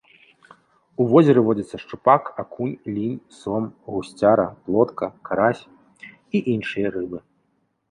У возеры водзяцца шчупак, акунь, лінь, сом, гусцяра, плотка, карась і іншыя рыбы.